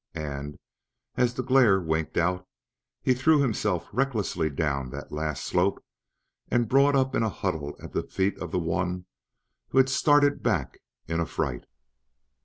And, as the glare winked out, he threw himself recklessly down that last slope and brought up in a huddle at the feet of the one who had started back in affright.